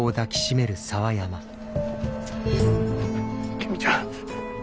公ちゃん。